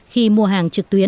khi mua hàng